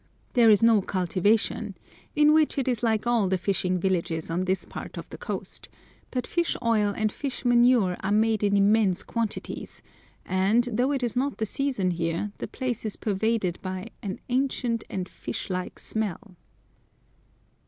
There is no cultivation, in which it is like all the fishing villages on this part of the coast, but fish oil and fish manure are made in immense quantities, and, though it is not the season here, the place is pervaded by "an ancient and fish like smell."